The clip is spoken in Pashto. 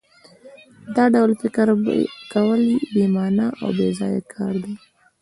دا ډول فکر کول بې مانا او بېځایه کار دی